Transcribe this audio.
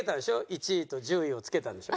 １位と１０位を付けたんでしょ？